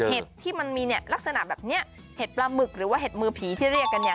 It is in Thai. ที่มันมีเนี่ยลักษณะแบบเนี้ยเห็ดปลาหมึกหรือว่าเห็ดมือผีที่เรียกกันเนี่ย